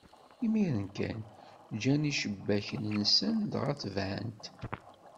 Imiren kan, ǧǧan icebbaken-nsen, dɣa tebɛen-t.